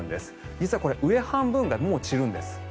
実は上半分がもう散るんです。